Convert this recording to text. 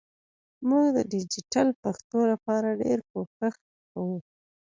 مونږ د ډیجېټل پښتو لپاره ډېر کوښښ کوو